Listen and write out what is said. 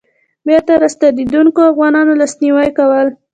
د بېرته راستنېدونکو افغانانو لاسنيوی کول.